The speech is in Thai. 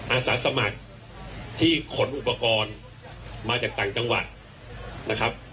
อาสาสมัครที่ขนอุปกรณ์มาจากต่างจังหวัดนะครับ